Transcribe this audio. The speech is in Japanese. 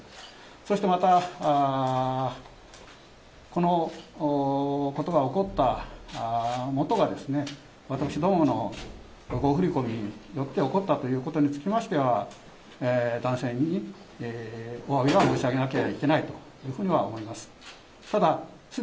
そしてまた、このことが起こったもとは、私どもの誤振り込みによって起こったということにつきましては、男性におわびは申し上げなければいけないというふうには思います。